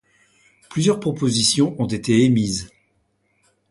Plusieurs propositions ont été émises.